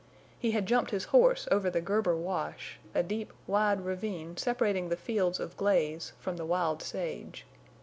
He had jumped his horse over the Gerber Wash, a deep, wide ravine separating the fields of Glaze from the wild sage.